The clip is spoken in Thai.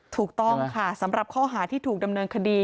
ถูกต้องค่ะสำหรับข้อหาที่ถูกดำเนินคดี